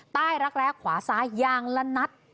ใต้รักแรกขวาซ้ายางละนัด